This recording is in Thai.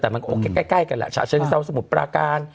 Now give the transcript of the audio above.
แต่มันก็โอเคใกล้กันแหละฉะเชิงเซาสมุทรปราการ